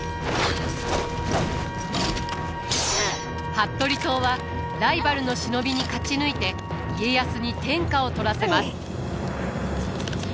服部党はライバルの忍びに勝ち抜いて家康に天下を取らせます。